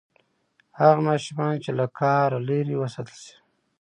هغه ماشومان چې له قهر لرې وساتل شي.